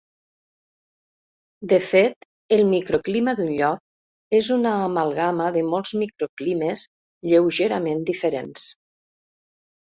De fet el microclima d'un lloc és una amalgama de molts microclimes lleugerament diferents.